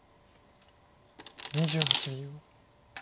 ２８秒。